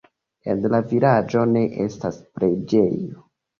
En la vilaĝo ne estas preĝejo.